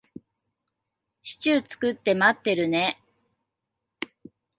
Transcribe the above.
シチュー作って待ってるね。